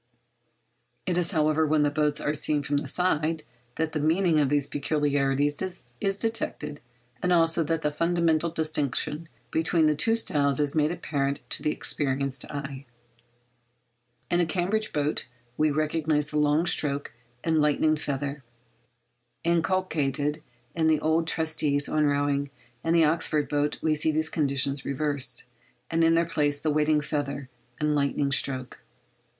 It is, however, when the boats are seen from the side that the meaning of these peculiarities is detected, and also that the fundamental distinction between the two styles is made apparent to the experienced eye. In the Cambridge boat we recognise the long stroke and 'lightning feather' inculcated in the old treatises on rowing: in the Oxford boat we see these conditions reversed, and in their place the 'waiting feather' and lightning stroke.